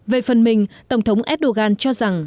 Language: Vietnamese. về phần mình tổng thống erdogan cho rằng